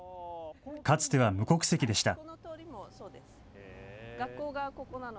かつては無国籍でした。